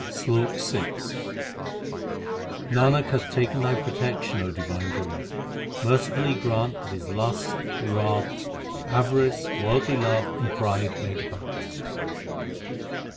SLOK VI Nanak hath taken Thy protection, O Divine Guru ; merci fully grant That his lust, wrath, avarice, worldly love, and pride may depart.